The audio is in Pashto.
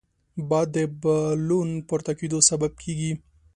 باد د بالون پورته کېدو سبب کېږي